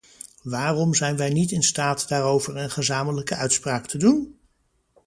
Waarom zijn wij niet in staat daarover een gezamenlijke uitspraak te doen?